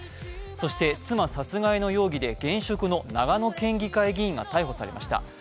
そして妻殺害の容疑で現職の長野県議会議員が逮捕されました。